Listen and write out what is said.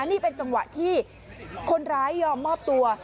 นี่เป็นจังหวะที่คนร้ายยอมมอบตัว